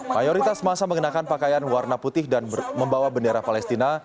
mayoritas masa mengenakan pakaian warna putih dan membawa bendera palestina